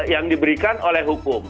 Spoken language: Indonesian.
yang diberikan oleh hukum